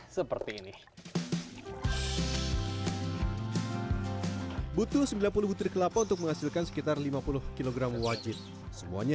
seperti ini butuh sembilan puluh butir kelapa untuk menghasilkan sekitar lima puluh kg wajit semuanya